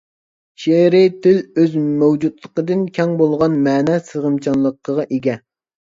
شېئىرىي تىل ئۆز مەۋجۇتلۇقىدىن كەڭ بولغان مەنە سىغىمچانلىقىغا ئىگە.